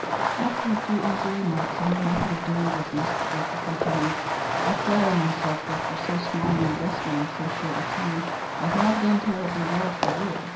After a few easy remarks on the methods of doing business the broker continued, "I flatter myself that for so small an investment and so short a time, I have done tolerably well for you."